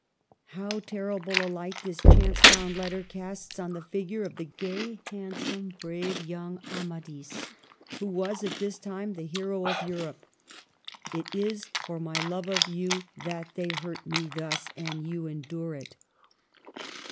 How terrible a light this chance found letter casts on the fig ure of the gay, handsome, brave young Amadis who was at this time the hero of Europe. " It is for my love of you that they hurt me thus ; and you endure it